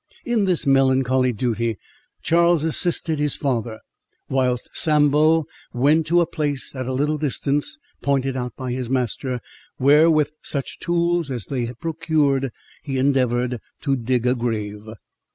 In this melancholy duty Charles assisted his father, whilst Sambo went to a place at a little distance, pointed out by his master, where, with such tools as they had procured, he endeavoured to dig a grave.